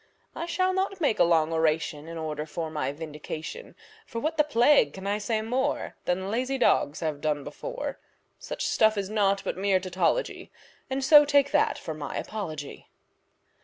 I shall not make a long oration in order for my vindication, For what the plague can I say more Than lazy dogs have done before; Such stuff is naught but mere tautology, And so take that for my apology.